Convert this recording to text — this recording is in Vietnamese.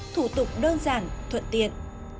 thủ tục đơn giản thuận tiện